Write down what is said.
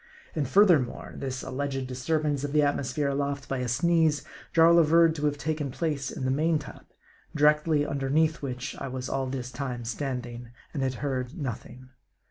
And furthermore, this alleged disturbance of the atmosphere aloft by a sneeze, Jarl averred to have taken place in the main top ; directly underneath which I was all this time standing, and had heard nothing.